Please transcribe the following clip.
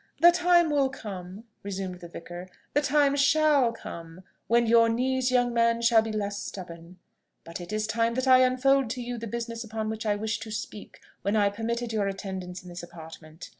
"The time will come," resumed the vicar, "the time shall come, when your knees, young man, shall be less stubborn. But it is time that I unfold to you the business upon which I wished to speak when I permitted your attendance in this apartment.